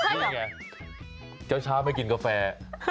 นี่ไงเช้าไม่กินกาแฟ